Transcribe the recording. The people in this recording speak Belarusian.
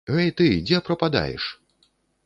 Гэй ты, дзе прападаеш?